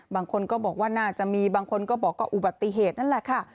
บางคนก็บอกว่าน่าจะมีบางคนก็บอกว่าอุบัติเหตุนั่นแหละค่ะ